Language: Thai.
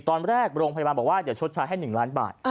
ตอนแรกโรงพยาบาลบอกว่าเดี๋ยวชดชายให้๑ล้านบาท